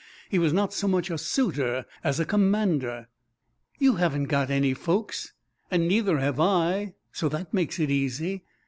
He was not so much a suitor as a commander. "You haven't got any folks and neither have I, so that makes it easy.